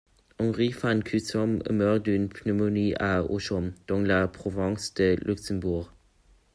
Henri Van Cutsem meurt d'une pneumonie à Ochamps, dans la province de Luxembourg.